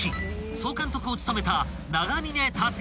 総監督を務めた］